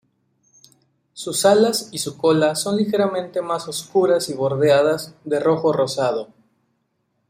Sus alas y su cola son ligeramente más oscuras y bordeadas de rojo-rosado.